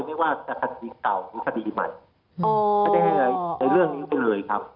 ไม่ว่าสะกดีเก่าสับดีอีวัดอ๋อไม่ได้ให้แต่เรื่องนี้ไปเลยครับ